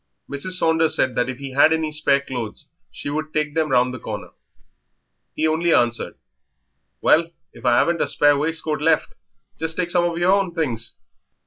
Mrs. Saunders said that if he had any spare clothes she would take them round the corner. He only answered "Well, if I 'aven't a spare waistcoat left just take some of yer own things.